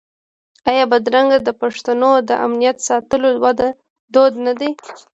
آیا بدرګه د پښتنو د امنیت ساتلو دود نه دی؟